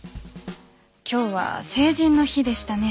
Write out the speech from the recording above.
今日は成人の日でしたね。